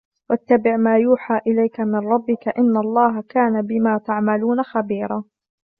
واتبع ما يوحى إليك من ربك إن الله كان بما تعملون خبيرا